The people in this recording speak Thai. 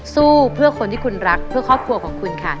สู้เพื่อคนที่คุณรักเพื่อครอบครัวของคุณค่ะ